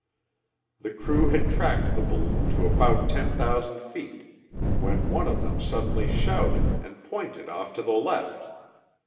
The crew had tracked the balloon to about 10,000 feet when one of them suddenly shouted and pointed off to the left.